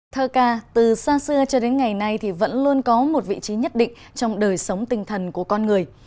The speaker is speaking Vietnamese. thơ ca từ xa xưa cho đến ngày nay thì vẫn luôn có một vị trí nhất định trong đời sống tinh thần của con người